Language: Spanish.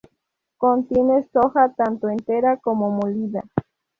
Contiene soja tanto entera como molida.